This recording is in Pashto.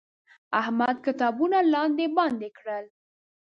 احمد کتابونه لاندې باندې کړل.